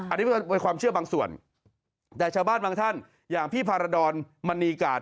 อันนี้เป็นความเชื่อบางส่วนแต่ชาวบ้านบางท่านอย่างพี่พารดรมณีกาศ